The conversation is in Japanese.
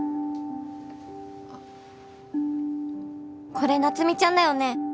「これ夏美ちゃんだよね？